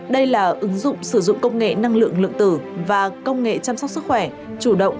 đây là ứng dụng sử dụng công nghệ năng lượng lượng tử và công nghệ chăm sóc sức khỏe chủ động